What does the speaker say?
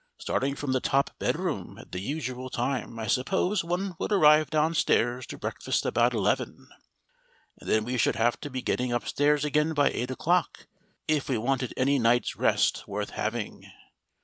Starting from the top bedroom at the usual time, I suppose one would arrive downstairs to breakfast about eleven, and then we should have to be getting upstairs again by eight o'clock if we wanted any night's rest worth having.